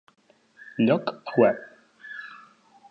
Lloc web